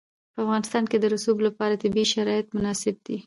په افغانستان کې د رسوب لپاره طبیعي شرایط مناسب دي.